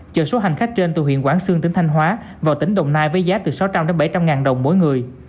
chờ số hành khách trên từ huyện quảng sương tỉnh thanh hóa vào tỉnh đồng nai với giá từ sáu trăm linh bảy trăm linh ngàn đồng mỗi người